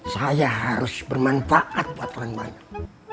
saya harus bermanfaat buat orang mana